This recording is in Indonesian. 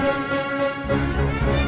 kenapa aku malah ada disini